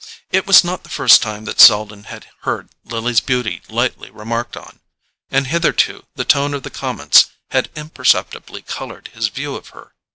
It was not the first time that Selden had heard Lily's beauty lightly remarked on, and hitherto the tone of the comments had imperceptibly coloured his view of her.